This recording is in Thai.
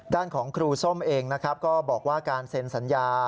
ด้านของครูส้มเองนะครับก็บอกว่าการเซ็นสัญญา